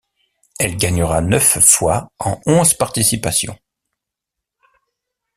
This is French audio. Elle gagnera neuf fois en onze participations.